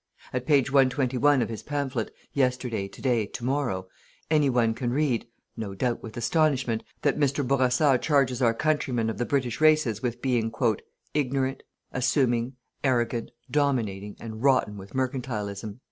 At page 121 of his pamphlet: "Yesterday, To day, To morrow", any one can read, no doubt with astonishment, that Mr. Bourassa charges our countrymen of the British races with being ignorant, assuming, arrogant, dominating and rotten with mercantilism."